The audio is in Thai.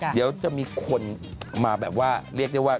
เดี๋ยวจะมีคนมาแบบว่าเรียกได้ว่า